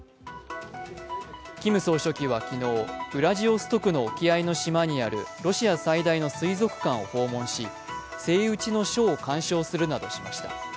キム総書記は昨日、ウラジオストクの沖合の島にあるロシア最大の水族館を訪問しセイウチのショーなどを観賞するなどしました。